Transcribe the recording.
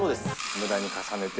むだに重ねて。